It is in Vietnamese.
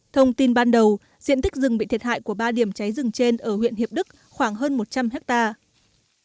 thông tin ban đầu diện tích rừng bị thiệt hại của ba điểm cháy rừng trên ở huyện hiệp đức khoảng hơn một trăm linh hectare